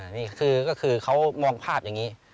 นี่คือเขามองภาพอย่างนี้